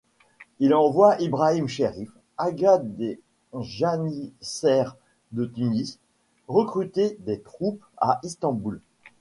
Il envoie Ibrahim Cherif, agha des janissaires de Tunis, recruter des troupes à Istanbul.